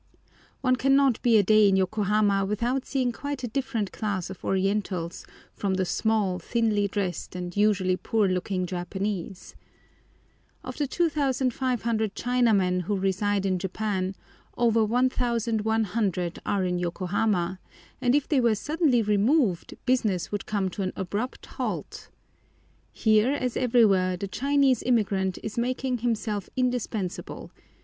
One cannot be a day in Yokohama without seeing quite a different class of orientals from the small, thinly dressed, and usually poor looking Japanese. Of the 2500 Chinamen who reside in Japan, over 1100 are in Yokohama, and if they were suddenly removed, business would come to an abrupt halt. Here, as everywhere, the Chinese immigrant is making himself indispensable.